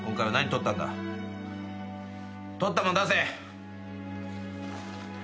とったもん出せ。